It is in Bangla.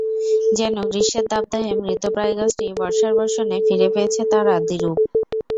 যেন গ্রীষ্মের দাবদাহে মৃতপ্রায় গাছটি বর্ষার বর্ষণে ফিরে পেয়েছে তার আদিরূপ।